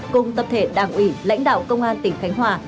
cùng tập thể đảng ủy lãnh đạo công an tỉnh khánh hòa